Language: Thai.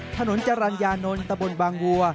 ถนนจรัญญานนต์ตะบลบางวัว